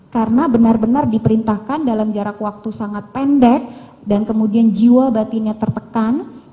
karena benar benar diperintahkan dalam jarak waktu sangat pendek dan kemudian jiwa batinnya tertekan